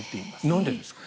なんでですか？